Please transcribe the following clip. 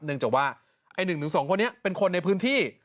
เนื่องจากว่า๑๒คนนี้เป็นคนในพื้นที่